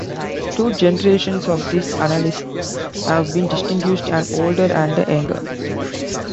Two generations of these annalists have been distinguished-an older and a younger.